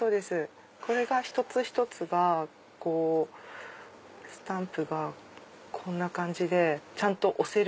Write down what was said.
一つ一つがスタンプがこんな感じでちゃんと押せる。